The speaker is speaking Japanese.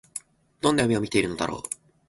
どんな夢を見ているのだろう